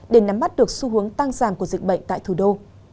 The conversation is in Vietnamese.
để nắm mắt được xu hướng tăng giảm của dịch bệnh tại thủ đô